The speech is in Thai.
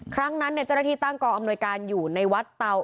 ครั้งนั้นเจ้าหน้าที่ตั้งกองอำนวยการอยู่ในวัดเตา